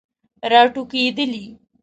راټوکیدلې